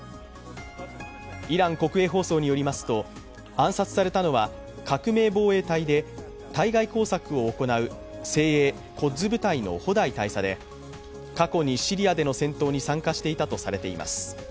イラン国営放送によりますと暗殺されたのは革命防衛隊で対外工作を行う精鋭、コッズ部隊のホダイ大佐で、過去にシリアでの戦闘に参加していたとされています。